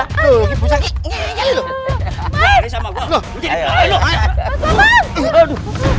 tuh kibus lagi iiih iih loh